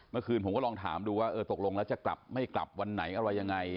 เมื่อคืนผมก็ลองถามดูว่าเออตกลงแล้วจะกลับไม่กลับวันไหนอะไรยังไง